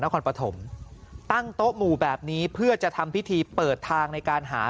นครปฐมตั้งโต๊ะหมู่แบบนี้เพื่อจะทำพิธีเปิดทางในการหา